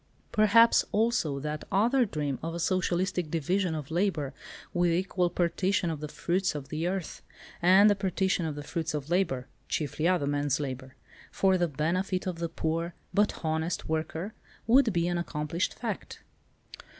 Perhaps, also, that other dream of a socialistic division of labour with equal partition of the fruits of the earth, and the partition of the fruits of labour (chiefly other men's labour) for the benefit of the poor but honest worker would be an accomplished fact.